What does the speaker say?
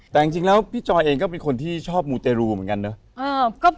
แต่จริงแล้วพี่จอยเองก็เป็นคนที่ชอบมูเตรูเหมือนกันเนอะ